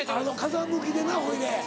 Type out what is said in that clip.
風向きでなほいで。